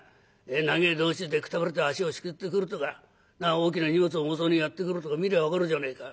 長え道中でくたびれて足を引きずってくるとか大きな荷物を重そうにやって来るとか見りゃ分かるじゃねえか。